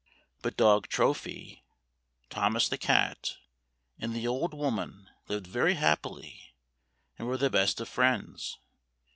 But dog Trophy, Thomas the cat, and the old woman lived very happily, and were the best of friends.